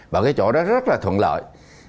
và cái chỗ đó rất là thuận lợi